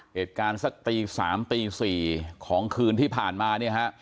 เหตุการณ์สักตี๓๔ของคืนที่ผ่านมา